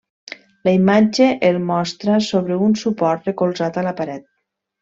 La imatge el mostra sobre un suport recolzat a la paret.